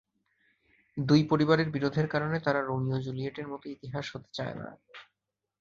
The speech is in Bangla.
দুই পরিবারের বিরোধের কারণে তারা রোমিও-জুলিয়েটের মতো ইতিহাস হতে চায় না।